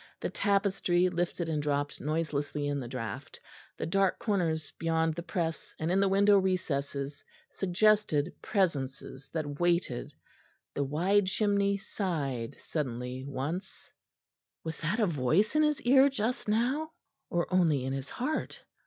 The tapestry lifted and dropped noiselessly in the draught; the dark corners beyond the press and in the window recesses suggested presences that waited; the wide chimney sighed suddenly once. Was that a voice in his ear just now, or only in his heart?